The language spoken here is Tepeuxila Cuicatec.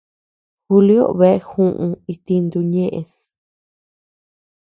Julio bea juʼu itintu ñeʼës.